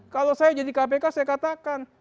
kalau saya jadi kpk saya katakan